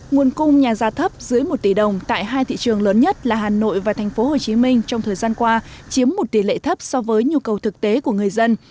nguồn cung nhà ra thấp dưới một tỷ đồng tại hai thị trường lớn nhất là hà nội và tp hcm trong thời gian qua chiếm một tỷ lệ thấp so với nhu cầu thực tế của người dân